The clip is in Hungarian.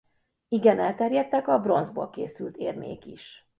Igen elterjedtek a bronzból készült érmék is.